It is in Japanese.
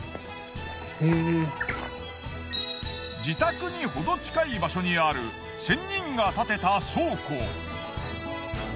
自宅に程近い場所にある仙人が建てた倉庫。